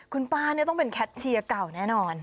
คุณป้าต้องเป็นแคทเชียร์เก่าแน่นอน